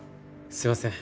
すいません。